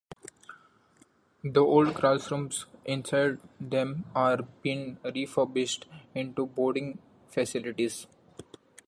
The old classrooms inside them are being refurbished into boarding facilities.